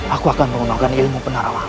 aku akan menggunakan ilmu penarawan